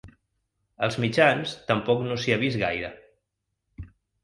Als mitjans tampoc no s’hi ha vist gaire.